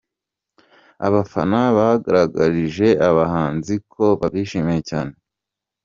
Abafana bagaragarije abahanzi ko babishimiye cyane.